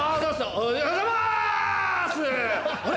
おはようございます‼あれ？